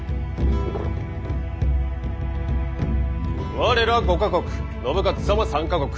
我ら５か国信雄様３か国。